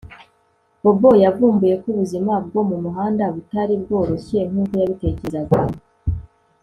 Bobo yavumbuye ko ubuzima bwo mumuhanda butari bworoshye nkuko yabitekerezaga